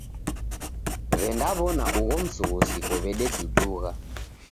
W'endaw'ona ugho msughusiko w'edudugha.